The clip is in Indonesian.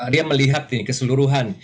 ria melihat keseluruhan